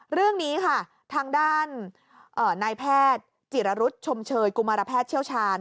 เรื่องนี้ค่ะทางด้านนายแพทย์จิรรุษชมเชยกุมารแพทย์เชี่ยวชาญ